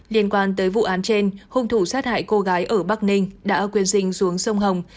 liên quan tới vụ án trên hung thủ sát hại cô gái ở bắc ninh đã quyên sinh xuống sông hồng